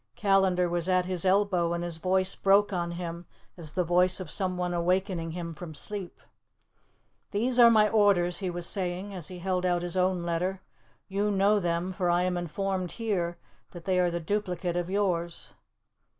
... Callandar was at his elbow, and his voice broke on him as the voice of someone awakening him from sleep. "These are my orders," he was saying, as he held out his own letter; "you know them, for I am informed here that they are the duplicate of yours."